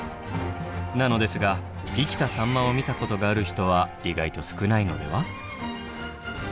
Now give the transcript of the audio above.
なのですが生きたサンマを見たことがある人は意外と少ないのでは？